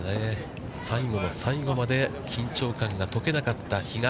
最後の最後まで緊張感が解けなかった比嘉。